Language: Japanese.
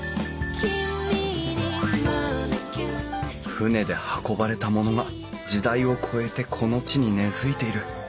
船で運ばれたものが時代を超えてこの地に根づいている。